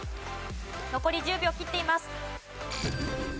残り１０秒切っています。